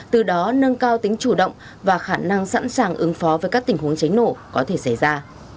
từ đó nâng cao tính chủ động và khả năng sẵn sàng ứng phó với các tình huống cháy nổ có thể xảy ra